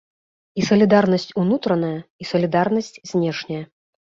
І салідарнасць унутраная і салідарнасць знешняя.